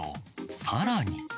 さらに。